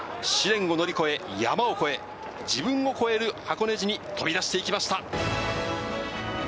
試練を乗り越え、山を越え、自分を超える箱根路に飛び出していきました。